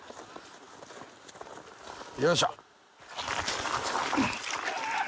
よいしょ。